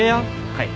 はい。